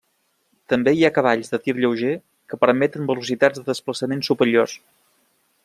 També hi ha cavalls de tir lleuger que permeten velocitats de desplaçament superiors.